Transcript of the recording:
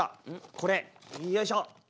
これよいしょ。